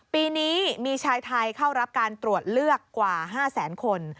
ปีนี้มีชายไทยเข้ารับการตรวจเลือกกว่า๕แสนคน